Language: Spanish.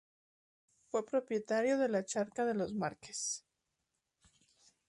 Fue propietario de la Chacra de los Márquez.